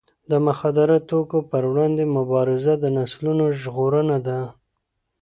د مخدره توکو پر وړاندې مبارزه د نسلونو ژغورنه ده.